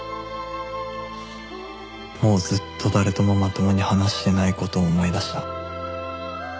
もうずっと誰ともまともに話してない事を思い出した